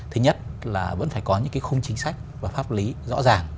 thứ nhất là vẫn phải có những cái khung chính sách và pháp lý rõ ràng